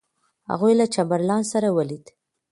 هغوی له چمبرلاین سره ولیدل.